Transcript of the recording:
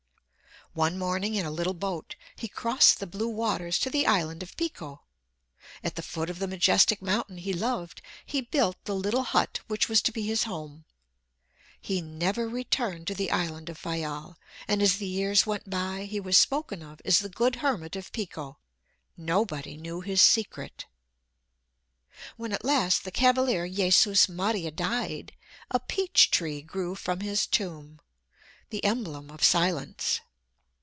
One morning in a little boat he crossed the blue waters to the island of Pico. At the foot of the majestic mountain he loved, he built the little hut which was to be his home. He never returned to the island of Fayal, and as the years went by he was spoken of as the good hermit of Pico. Nobody knew his secret. When at last the Cavalier Jesus Maria died, a peach tree grew from his tomb, the emblem of silence.